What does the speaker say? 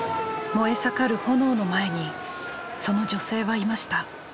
燃え盛る炎の前にその女性はいました。